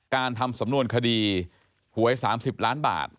ทำสำนวนคดีหวย๓๐ล้านบาท